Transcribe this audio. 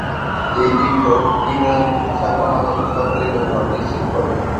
এই বিক্ষোভ ইংরাজি ভাষা ক্রমাগত সরকারী ব্যবহার নিশ্চিত করে।